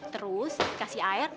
terus dikasih air